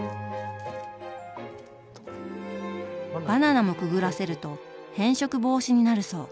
バナナもくぐらせると変色防止になるそう。